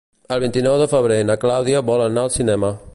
El vint-i-nou de febrer na Clàudia vol anar al cinema.